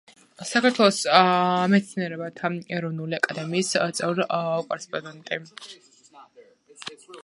საქართველოს მეცნიერებათა ეროვნული აკადემიის წევრ-კორესპოდენტი.